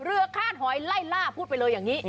คาดหอยไล่ล่าพูดไปเลยอย่างนี้